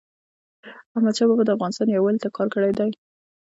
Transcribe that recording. احمدشاه بابا د افغانستان یووالي ته کار کړی دی.